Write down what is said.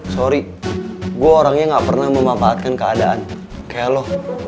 sorry gue orangnya gak pernah memanfaatkan keadaan kayak lo